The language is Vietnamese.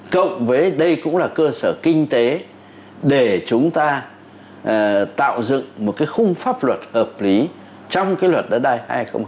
cộng với đây cũng là cơ sở kinh tế để chúng ta tạo dựng một cái khung pháp luật hợp lý trong cái luật đất đai hai nghìn một mươi ba